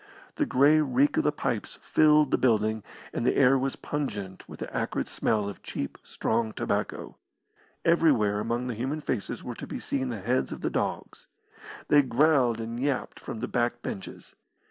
The grey reek of the pipes filled the building, and the air was pungent with the acrid smell of cheap, strong tobacco. Everywhere among the human faces were to be seen the heads of the dogs. They growled and yapped from the back benches.